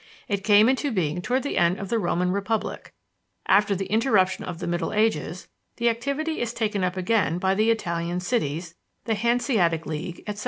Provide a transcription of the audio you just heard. It came into being toward the end of the Roman Republic. After the interruption of the Middle Ages the activity is taken up again by the Italian cities, the Hanseatic League, etc.